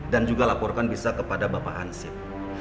dan juga laporkan bisa kepada bapak hansip